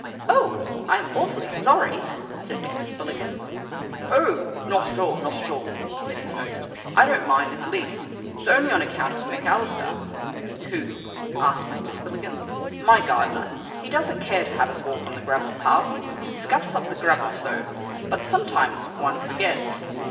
"Oh, I'm awfully sorry," said Mr. Spillikins. "Oh, not at all, not at all," said his host. "I don't mind in the least. It's only on account of McAlister." "Who?" asked Mr. Spillikins. "My gardener. He doesn't care to have us walk on the gravel paths. It scuffs up the gravel so. But sometimes one forgets."